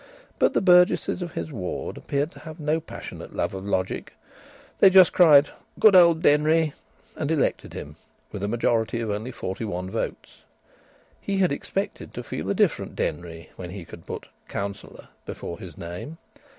But the burgesses of his ward appeared to have no passionate love of logic. They just cried "Good old Denry!" and elected him with a majority of only forty one votes. He had expected to feel a different Denry when he could put "Councillor" before his name.